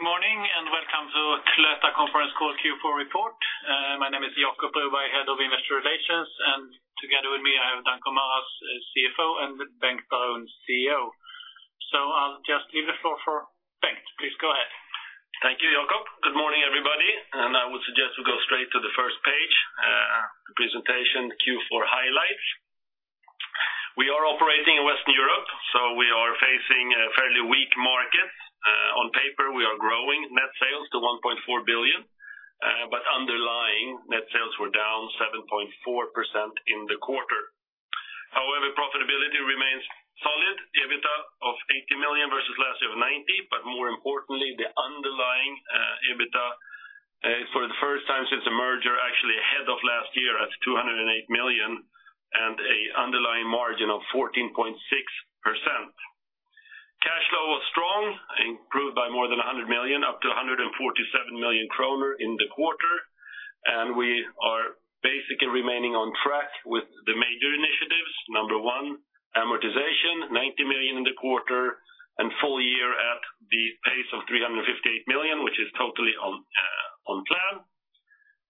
Good morning, and welcome to Cloetta conference call Q4 report. My name is Jacob Broberg, Head of Investor Relations, and together with me, I have Danko Maras, CFO, and Bengt Baron, CEO. I'll just leave the floor for Bengt. Please go ahead. Thank you, Jacob. Good morning, everybody, and I would suggest we go straight to the first page, the presentation, Q4 highlights. We are operating in Western Europe, so we are facing a fairly weak market. On paper, we are growing net sales to 1.4 billion, but underlying net sales were down 7.4% in the quarter. However, profitability remains solid. EBITDA of 80 million versus last year of 90 million, but more importantly, the underlying EBITDA, for the first time since the merger, actually ahead of last year at 208 million, and a underlying margin of 14.6%. Cash flow was strong, improved by more than 100 million, up to 147 million kronor in the quarter, and we are basically remaining on track with the major initiatives. Number 1, amortization, 90 million in the quarter, and full year at the pace of 358 million, which is totally on plan.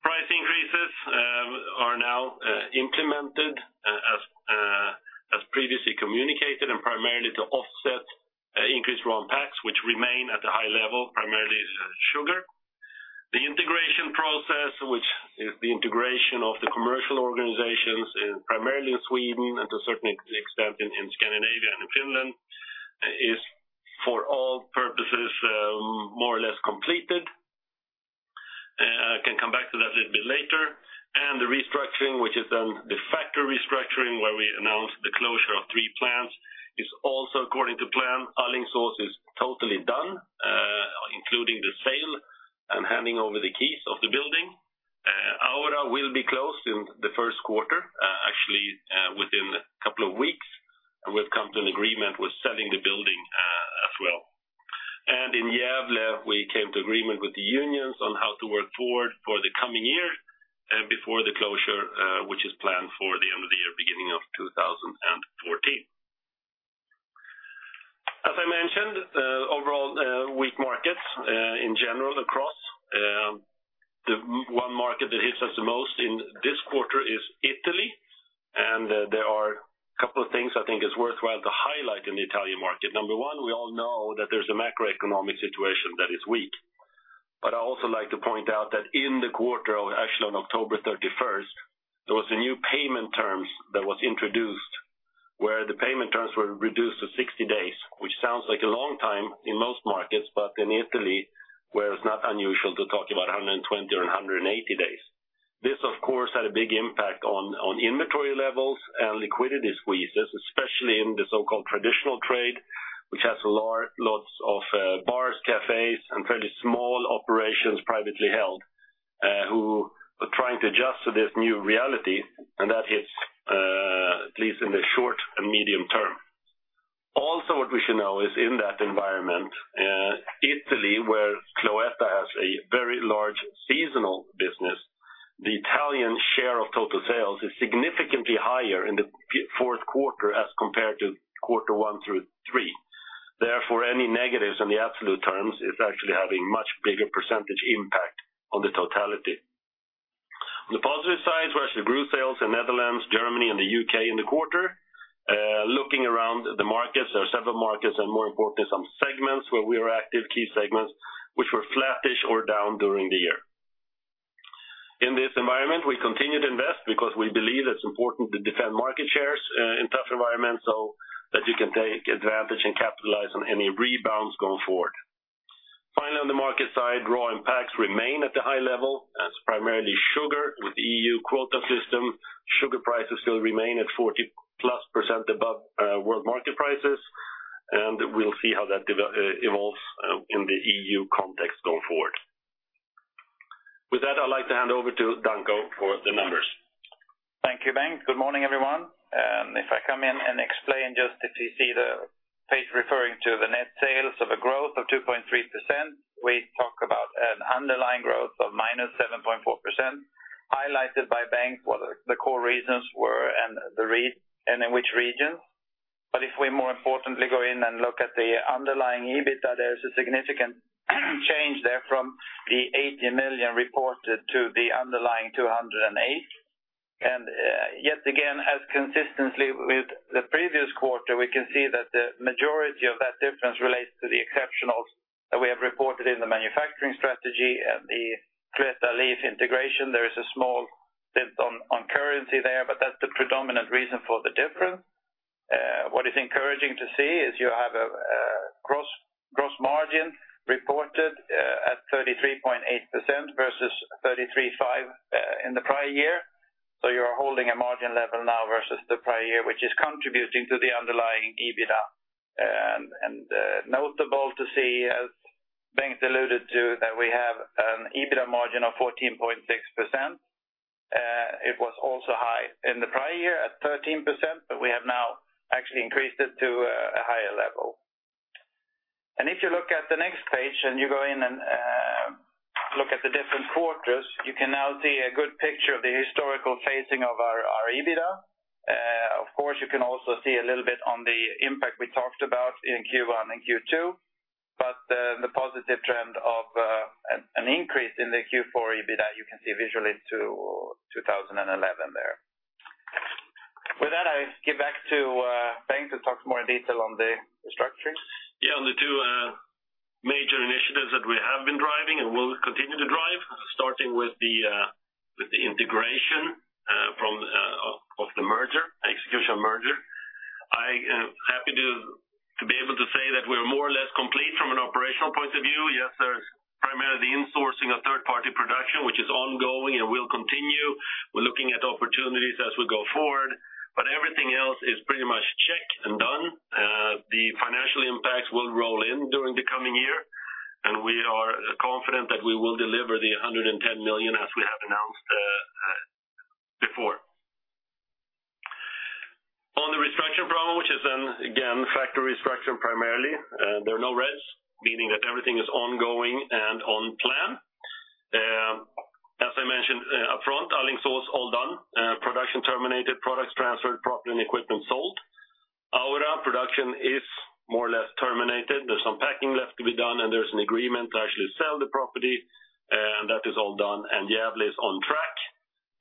Price increases are now implemented as previously communicated, and primarily to offset increased raw impacts, which remain at a high level, primarily sugar. The integration process, which is the integration of the commercial organizations in, primarily in Sweden, and to a certain extent in Scandinavia and in Finland, is, for all purposes, more or less completed. I can come back to that a little bit later. The restructuring, which is then the factory restructuring, where we announced the closure of 3 plants, is also according to plan. Alingsås is totally done, including the sale and handing over the keys of the building. Aura will be closed in the first quarter, actually, within a couple of weeks. We've come to an agreement with selling the building, as well. In Gävle, we came to agreement with the unions on how to work forward for the coming year and before the closure, which is planned for the end of the year, beginning of 2014. As I mentioned, overall, weak markets, in general, across the main one market that hits us the most in this quarter is Italy, and there are a couple of things I think is worthwhile to highlight in the Italian market. Number one, we all know that there's a macroeconomic situation that is weak. But I also like to point out that in the quarter, or actually on October 31st, there was a new payment terms that was introduced, where the payment terms were reduced to 60 days, which sounds like a long time in most markets, but in Italy, where it's not unusual to talk about 120 or 180 days. This, of course, had a big impact on inventory levels and liquidity squeezes, especially in the so-called traditional trade, which has lots of bars, cafes, and fairly small operations, privately held, who are trying to adjust to this new reality, and that hits at least in the short and medium term. Also, what we should know is in that environment, Italy, where Cloetta has a very large seasonal business, the Italian share of total sales is significantly higher in the fourth quarter as compared to quarter one through three. Therefore, any negatives on the absolute terms is actually having much bigger percentage impact on the totality. On the positive side, we actually grew sales in Netherlands, Germany, and the U.K. in the quarter. Looking around the markets, there are several markets, and more importantly, some segments where we are active, key segments, which were flattish or down during the year. In this environment, we continue to invest because we believe it's important to defend market shares, in tough environments, so that you can take advantage and capitalize on any rebounds going forward. Finally, on the market side, raw impacts remain at the high level. That's primarily sugar. With the EU quota system, sugar prices still remain at 40+% above world market prices, and we'll see how that evolves in the EU context going forward. With that, I'd like to hand over to Danko for the numbers. Thank you, Bengt. Good morning, everyone. If I come in and explain just if you see the page referring to the net sales of a growth of 2.3%, we talk about an underlying growth of -7.4%, highlighted by Bengt, what the, the core reasons were and the re- and in which regions. But if we more importantly go in and look at the underlying EBITDA, there's a significant change there from the 80 million reported to the underlying 208 million. And yet again, as consistently with the previous quarter, we can see that the majority of that difference relates to the exceptionals that we have reported in the manufacturing strategy and the Cloetta Leaf integration. There is a small dip on currency there, but that's the predominant reason for the difference. What is encouraging to see is you have a gross margin reported at 33.8% versus 33.5% in the prior year. So you're holding a margin level now versus the prior year, which is contributing to the underlying EBITDA. And notable to see, as Bengt alluded to, that we have an EBITDA margin of 14.6%. It was also high in the prior year at 13%, but we have now actually increased it to a higher level. And if you look at the next page, and you go in and look at the different quarters, you can now see a good picture of the historical phasing of our EBITDA. Of course, you can also see a little bit on the impact we talked about in Q1 and Q2, but the positive trend of an increase in the Q4 EBITDA, you can see visually to 2011 there. With that, I give back to Bengt to talk more in detail on the restructuring. Yeah, on the two major initiatives that we have been driving and will continue to drive, starting with the integration of the merger execution. I am happy to be able to say that we're more or less complete from an operational point of view. Yes, there's primarily the insourcing of third-party production, which is ongoing and will continue. We're looking at opportunities as we go forward, but everything else is pretty much checked and done. The financial impacts will roll in during the coming year, and we are confident that we will deliver 110 million as we have announced before. On the restructuring program, which is then, again, factory restructuring primarily, there are no reds, meaning that everything is ongoing and on plan. As I mentioned upfront, Alingsås all done. Production terminated, products transferred, property and equipment sold. Aura production is more or less terminated. There's some packing left to be done, and there's an agreement to actually sell the property, and that is all done, and Gävle is on track.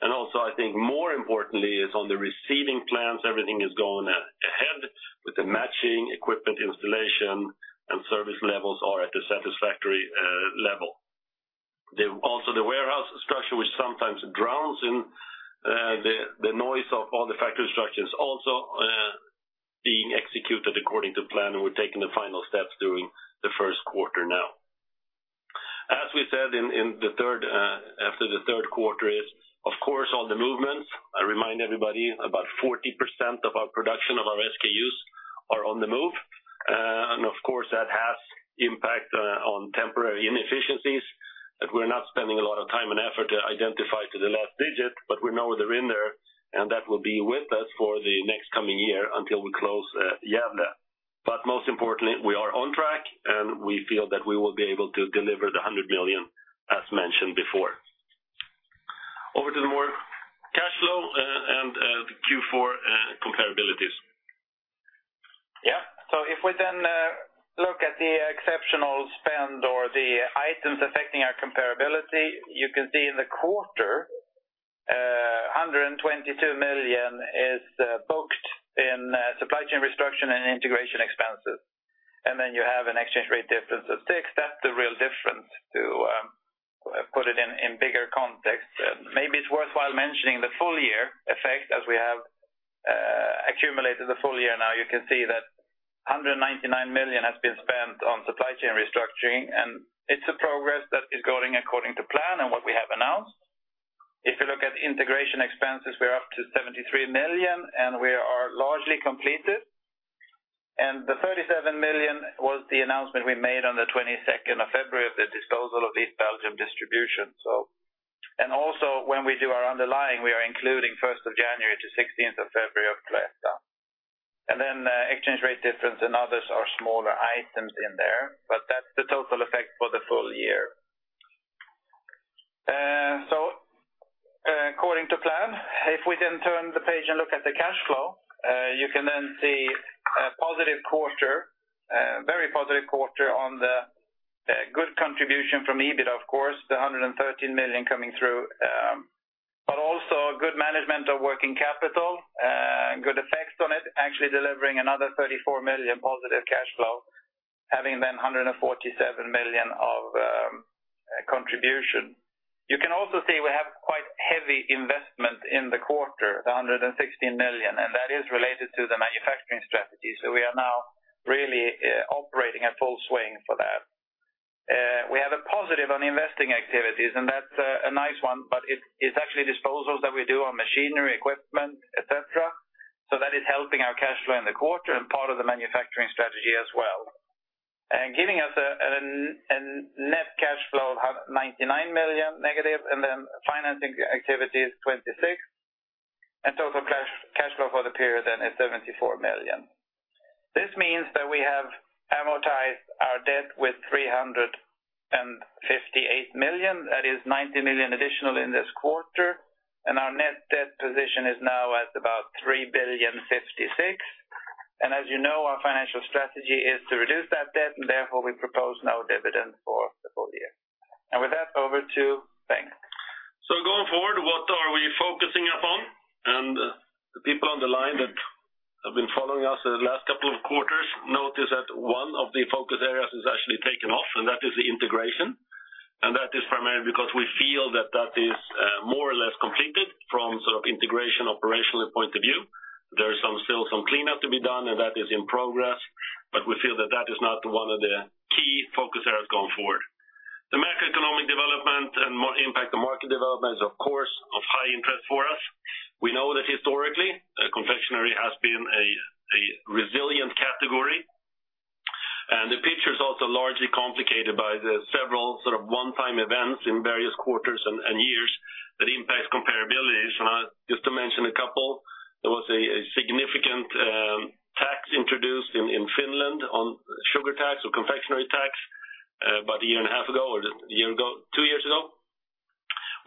And also, I think more importantly, is on the receiving plants, everything is going ahead with the matching equipment installation and service levels are at the satisfactory level. Also, the warehouse structure, which sometimes drowns in the noise of all the factory structures, also being executed according to plan, and we're taking the final steps during the first quarter now. As we said in the third, after the third quarter is, of course, all the movements. I remind everybody, about 40% of our production of our SKUs are on the move, and of course, that has impact on temporary inefficiencies, that we're not spending a lot of time and effort to identify to the last digit, but we know they're in there, and that will be with us for the next coming year until we close Gävle. But most importantly, we are on track, and we feel that we will be able to deliver 100 million, as mentioned before. Over to the more cash flow, and the Q4 comparabilities. Yeah. So if we then look at the exceptional spend or the items affecting our comparability, you can see in the quarter, 122 million is booked in supply chain restructure and integration expenses. And then you have an exchange rate difference of 6 million. That's the real difference to put it in bigger context. Maybe it's worthwhile mentioning the full year effect as we have accumulated the full year now. You can see that 199 million has been spent on supply chain restructuring, and it's a progress that is going according to plan and what we have announced. If you look at integration expenses, we're up to 73 million, and we are largely completed. And the 37 million was the announcement we made on the twenty-second of February of the disposal of East Belgium Distribution, so. And also, when we do our underlying, we are including first of January to sixteenth of February of last year. And then, exchange rate difference and others are smaller items in there, but that's the total effect for the full year. So, according to plan, if we then turn the page and look at the cash flow, you can then see a positive quarter, very positive quarter on the good contribution from EBIT, of course, the 113 million coming through, but also good management of working capital, good effects on it, actually delivering another 34 million positive cash flow, having then 147 million of contribution. You can also see we have quite heavy investment in the quarter, the 116 million, and that is related to the manufacturing strategy. So we are now really operating at full swing for that. We have a positive on investing activities, and that's a nice one, but it's actually disposals that we do on machinery, equipment, et cetera. So that is helping our cash flow in the quarter and part of the manufacturing strategy as well. And giving us a net cash flow of -99 million, and then financing activities, 26 million, and total cash flow for the period then is 74 million. This means that we have amortized our debt with 358 million. That is 90 million additional in this quarter, and our net debt position is now at about 3,056 million. And as you know, our financial strategy is to reduce that debt, and therefore, we propose no dividend for the full year. And with that, over to Bengt. So going forward, what are we focusing upon? The people on the line that have been following us the last couple of quarters notice that one of the focus areas is actually taken off, and that is the integration. That is primarily because we feel that that is more or less completed from sort of integration, operational point of view. There is still some cleanup to be done, and that is in progress, but we feel that that is not one of the key focus areas going forward. The macroeconomic development and market impact the market development is, of course, of high interest for us. We know that historically, confectionery has been a resilient category, and the picture is also largely complicated by several sort of one-time events in various quarters and years that impact comparability. So just to mention a couple, there was a significant on sugar tax or confectionery tax, about a year and a half ago, or a year ago, two years ago,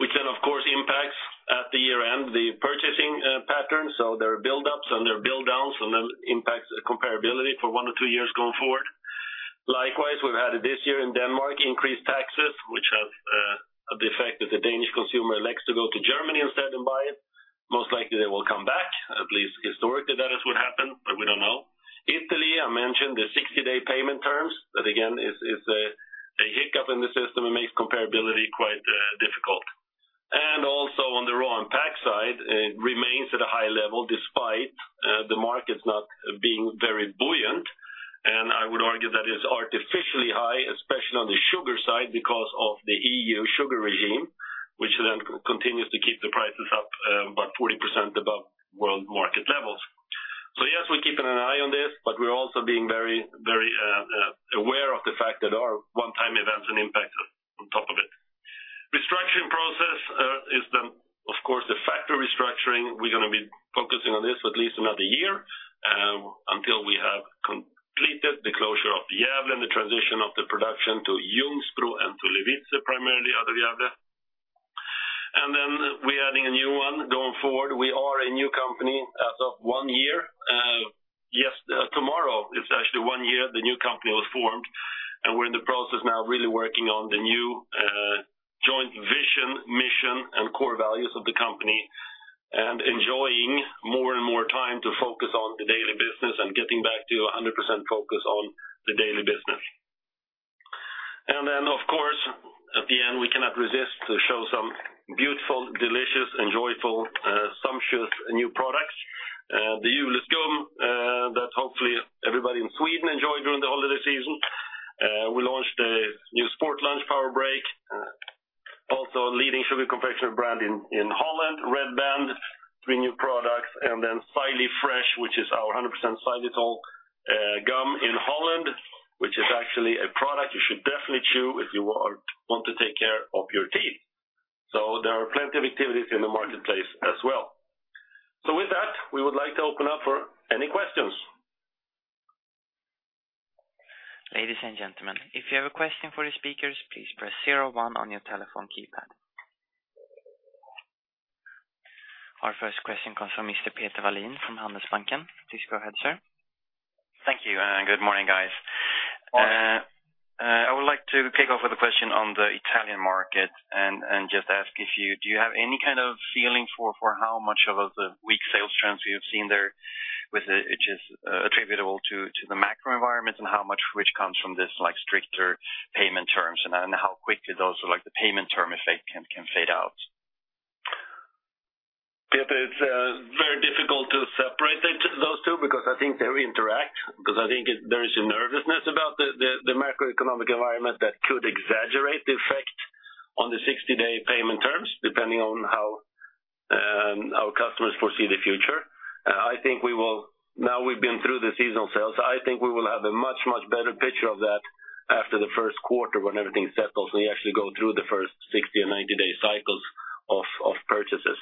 which then, of course, impacts at the year-end, the purchasing pattern. So there are build-ups and there are build-downs, and then impacts the comparability for one or two years going forward. Likewise, we've had it this year in Denmark, increased taxes, which have the effect that the Danish consumer likes to go to Germany instead and buy it. Most likely they will come back, at least historically, that is what happened, but we don't know. Italy, I mentioned the 60-day payment terms. That again is a hiccup in the system and makes comparability quite difficult. And also on the raw and pack side, it remains at a high level, despite the markets not being very buoyant. I would argue that it's artificially high, especially on the sugar side, because of the EU sugar regime, which then continues to keep the prices up about 40% above world market levels. So yes, we're keeping an eye on this, but we're also being very, very aware of the fact that our one-time events and impact are on top of it. Restructuring process is then, of course, the factory restructuring. We're gonna be focusing on this for at least another year, until we have completed the closure of the Gävle and the transition of the production to Ljungsbro and to Levice, primarily, out of Gävle. And then we're adding a new one going forward. We are a new company as of one year. Yes, tomorrow is actually one year, the new company was formed, and we're in the process now, really working on the new, joint vision, mission, and core values of the company, and enjoying more and more time to focus on the daily business and getting back to a 100% focus on the daily business. And then, of course, at the end, we cannot resist to show some beautiful, delicious, and joyful, sumptuous new products. The Juleskum that hopefully everybody in Sweden enjoyed during the holiday season. We launched a new Sportlunch Powerbreak, also a leading sugar confectionery brand in Holland, Red Band, three new products, and then Xylifresh, which is our 100% Xylitol gum in Holland, which is actually a product you should definitely chew if you want to take care of your teeth. So there are plenty of activities in the marketplace as well. So with that, we would like to open up for any questions. Ladies and gentlemen, if you have a question for the speakers, please press zero one on your telephone keypad. Our first question comes from Mr. Peter Wallin, from Handelsbanken. Please go ahead, sir. Thank you, good morning, guys. Morning. I would like to kick off with a question on the Italian market, and just ask if you have any kind of feeling for how much of the weak sales trends you've seen there, with which is attributable to the macro environment? And how much which comes from this, like, stricter payment terms, and then how quickly those, like, the payment term effect can fade out? Peter, it's very difficult to separate those two, because I think they interact, because I think there is a nervousness about the macroeconomic environment that could exaggerate the effect on the 60-day payment terms, depending on how our customers foresee the future. I think we will. Now, we've been through the seasonal sales, I think we will have a much, much better picture of that after the first quarter, when everything settles, we actually go through the first 60- or 90-day cycles of purchases.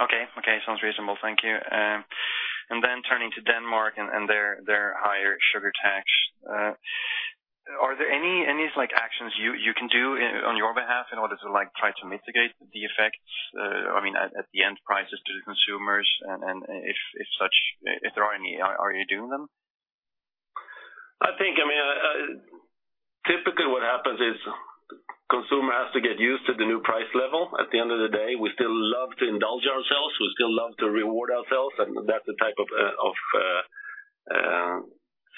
Okay. Okay, sounds reasonable. Thank you. And then turning to Denmark and their higher sugar tax. Are there any like actions you can do on your behalf in order to like try to mitigate the effects, I mean, at the end prices to the consumers? And if such, if there are any, are you doing them? I think, I mean, typically what happens is, consumer has to get used to the new price level. At the end of the day, we still love to indulge ourselves, we still love to reward ourselves, and that's the type of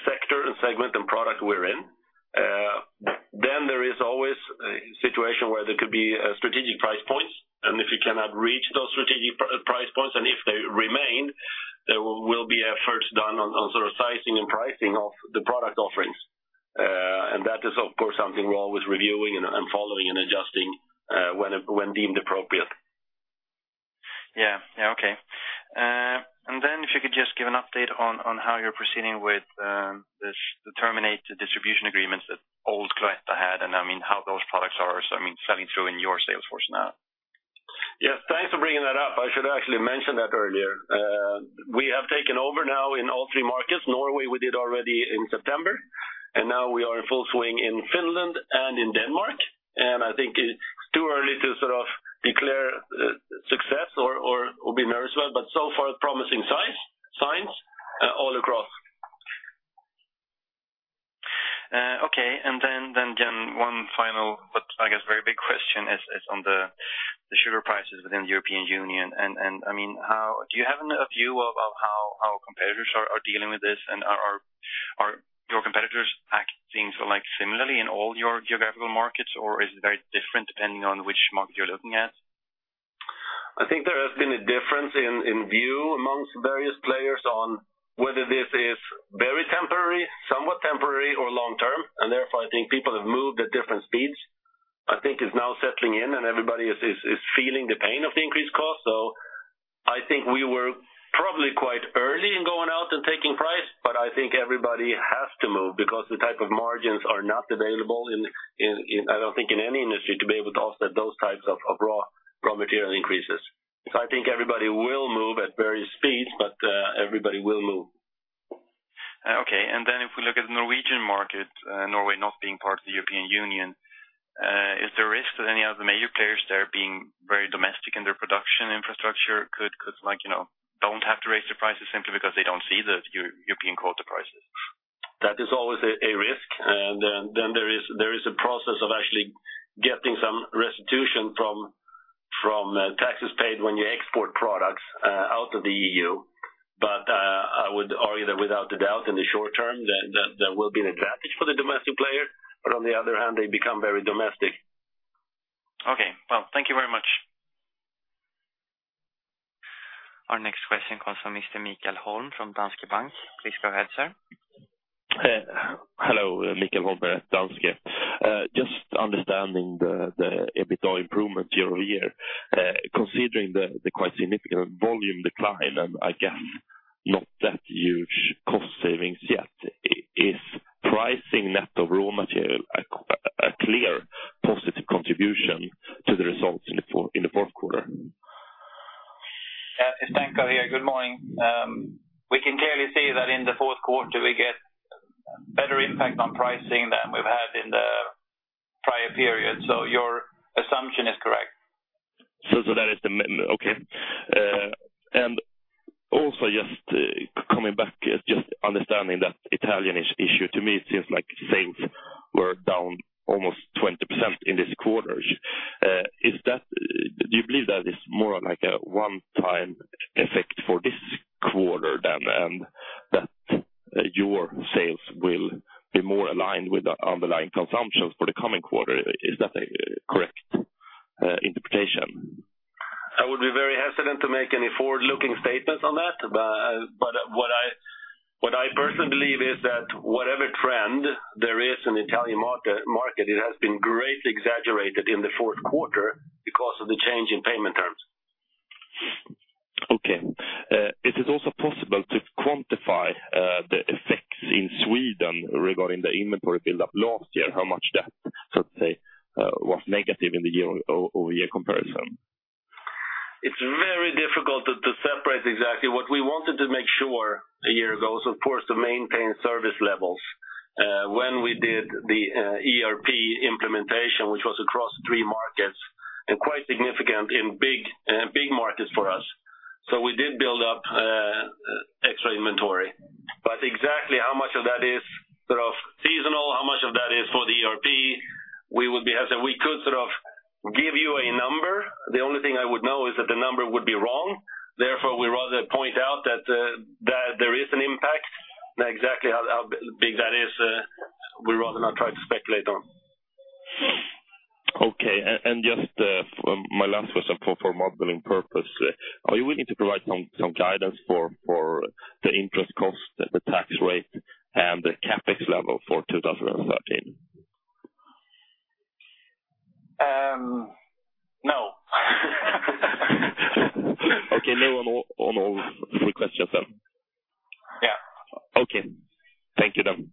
sector and segment and product we're in. Then there is always a situation where there could be strategic price points, and if you cannot reach those strategic price points, and if they remain, there will be efforts done on sort of sizing and pricing of the product offerings. And that is, of course, something we're always reviewing and following and adjusting, when deemed appropriate. Yeah. Yeah, okay. And then if you could just give an update on how you're proceeding with this, the terminated distribution agreements that old Cloetta had, and, I mean, how those products are, so, I mean, selling through in your sales force now? Yes, thanks for bringing that up. I should actually have mentioned that earlier. We have taken over now in all three markets. Norway, we did already in September, and now we are in full swing in Finland and in Denmark, and I think it's too early to sort of declare success or be nervous about, but so far, promising signs all across. Okay. And then one final, but I guess very big question is on the sugar prices within the European Union. And I mean, how do you have a view about how our competitors are dealing with this? And are your competitors acting so, like, similarly in all your geographical markets, or is it very different depending on which market you're looking at? I think there has been a difference in view among various players on whether this is very temporary, somewhat temporary, or long term, and therefore, I think people have moved at different speeds. I think it's now settling in, and everybody is feeling the pain of the increased cost. So I think we were probably quite early in going out and taking price, but I think everybody has to move because the type of margins are not available in, I don't think, in any industry, to be able to offset those types of raw material increases. So I think everybody will move at various speeds, but everybody will move. Okay. And then if we look at the Norwegian market, Norway not being part of the European Union, is there risk that any of the major players there being very domestic in their production infrastructure could, like, you know, don't have to raise their prices simply because they don't see the European cocoa prices? That is always a risk, and then there is a process of actually getting some restitution from taxes paid when you export products out of the EU. But I would argue that without a doubt, in the short term, that will be an advantage for the domestic player, but on the other hand, they become very domestic. Okay. Well, thank you very much. Our next question comes from Mr. Mikael Holm from Danske Bank. Please go ahead, sir. Hello, Mikael Holm at Danske. Just understanding the EBITDA improvement year-over-year, considering the quite significant volume decline, and I guess not that huge cost savings yet, is pricing net of raw material a clear positive contribution to the results in the fourth quarter? Yeah, it's Danko here. Good morning. We can clearly see that in the fourth quarter, we get better impact on pricing than we've had in the prior period, so your assumption is correct. And also just coming back, just understanding that Italian issue, to me, it seems like sales were down almost 20% in this quarter. Do you believe that is more of, like, a one-time effect for this quarter, and that your sales will be more aligned with the underlying consumptions for the coming quarter? Is that a correct interpretation? I would be very hesitant to make any forward-looking statements on that, but what I personally believe is that whatever trend there is in the Italian market, it has been greatly exaggerated in the fourth quarter because of the change in payment terms. Okay. Is it also possible to quantify the effects in Sweden regarding the inventory build up last year? How much that, let's say, was negative in the year-over-year comparison? It's very difficult to separate exactly. What we wanted to make sure a year ago was, of course, to maintain service levels when we did the ERP implementation, which was across three markets and quite significant in big markets for us. So we did build up extra inventory, but exactly how much of that is sort of seasonal, how much of that is for the ERP, we would be hesitant. We could sort of give you a number. The only thing I would know is that the number would be wrong. Therefore, we rather point out that there is an impact, and exactly how big that is, we'd rather not try to speculate on. Okay. And just for my last question for modeling purposes, are you willing to provide some guidance for the interest cost, the tax rate, and the CapEx level for 2013? Um, no. Okay, no on all, on all three questions then? Yeah. Okay. Thank you, then.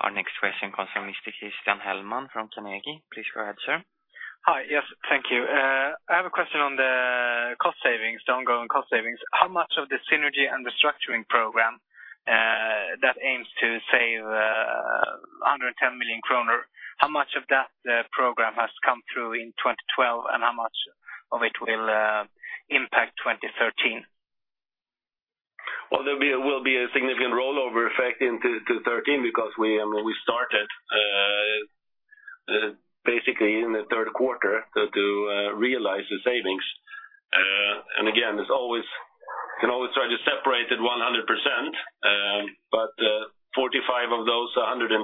Our next question comes from Mr. Christian Hellman from Carnegie. Please go ahead, sir. Hi. Yes, thank you. I have a question on the cost savings, the ongoing cost savings. How much of the synergy and the structuring program, that aims to save 110 million kronor, how much of that program has come through in 2012, and how much of it will impact 2013? Well, there will be a significant rollover effect in 2013 because we, we started basically in the third quarter to, to realize the savings. And again, it's always, you can always try to separate it 100%, but, 45 of those 110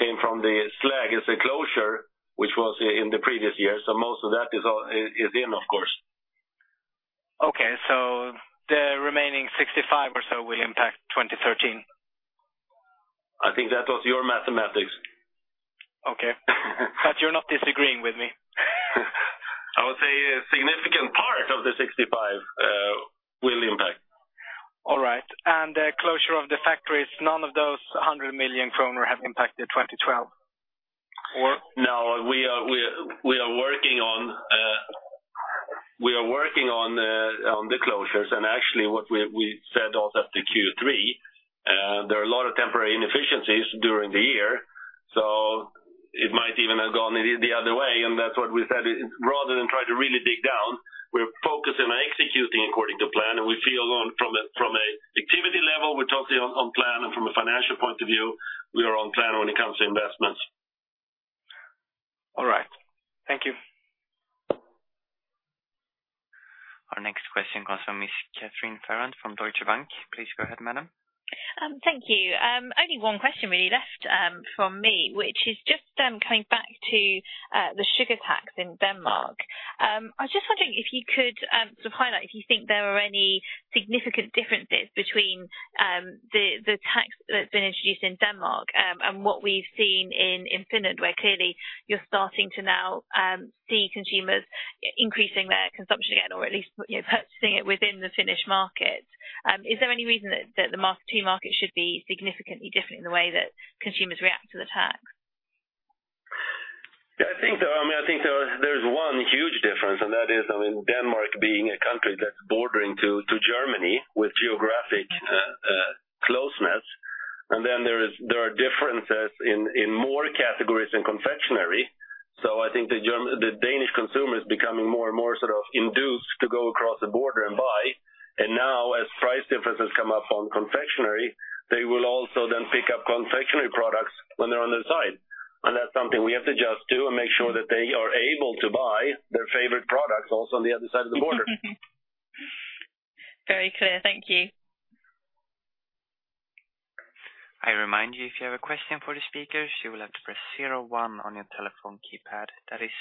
came from the Slagelse closure, which was in the previous year. So most of that is all, is, is in, of course. Okay, so the remaining 65 or so will impact 2013? I think that was your mathematics. Okay. But you're not disagreeing with me? I would say a significant part of the 65 will impact. All right. And the closure of the factories, none of those 100 million kronor have impacted 2012, or? No, we are working on the closures, and actually what we said also to Q3, there are a lot of temporary inefficiencies during the year, so it might even have gone the other way, and that's what we said. Rather than try to really dig down, we're focusing on executing according to plan, and we feel... From a activity level, we're totally on plan, and from a financial point of view, we are on plan when it comes to investments. All right. Thank you. Our next question comes from Miss Katharine Farrant from Deutsche Bank. Please go ahead, madam. Thank you. Only one question really left from me, which is just coming back to the sugar tax in Denmark. I was just wondering if you could sort of highlight if you think there are any significant differences between the tax that's been introduced in Denmark and what we've seen in Finland, where clearly you're starting to now see consumers increasing their consumption again, or at least, you're purchasing it within the Finnish market. Is there any reason that the two markets should be significantly different in the way that consumers react to the tax? Yeah, I think there are, I mean, I think there is, there's one huge difference, and that is, I mean, Denmark being a country that's bordering to, to Germany with geographic closeness, and then there is, there are differences in, in more categories in confectionery. So I think the German... The Danish consumer is becoming more and more sort of induced to go across the border and buy, and now as price differences come up on confectionery, they will also then pick up confectionery products when they're on their side. And that's something we have to adjust to and make sure that they are able to buy their favorite products also on the other side of the border. Very clear. Thank you. I remind you, if you have a question for the speakers, you will have to press zero one on your telephone keypad. That is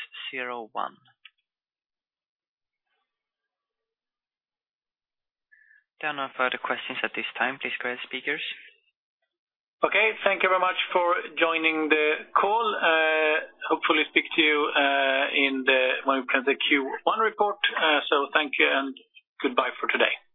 zero one. There are no further questions at this time. Please go ahead, speakers. Okay. Thank you very much for joining the call. Hopefully speak to you when we present the Q1 report. So thank you, and goodbye for today. Thank you.